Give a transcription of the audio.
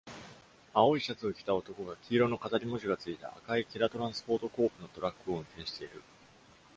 青いシャツを着た男が、黄色の飾り文字がついた赤い Khera Transport Corp. のトラックを運転している。